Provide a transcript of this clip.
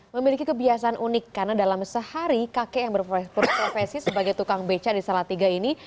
memiliki kebiasaan unik karena dalam sehari kakek yang berprofesi sebagai tukang beca di salatiga ini